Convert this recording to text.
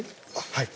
はい。